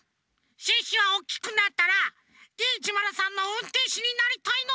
シュッシュはおっきくなったらＤ１０３のうんてんしになりたいのです！